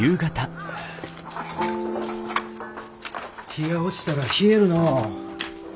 日が落ちたら冷えるのう。